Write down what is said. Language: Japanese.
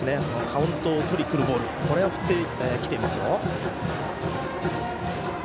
カウントを取りにいくボールを振ってきていますよ。